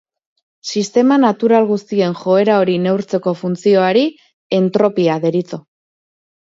Sistema natural guztien joera hori neurtzeko funtzioari entropia deritzo.